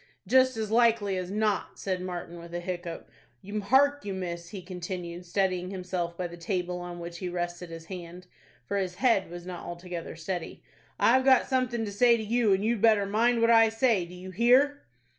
"Just as likely as not," said Martin, with a hiccough. "Hark you, miss," he continued, steadying himself by the table on which he rested his hand, for his head was not altogether steady, "I've got something to say to you, and you'd better mind what I say? Do you hear?"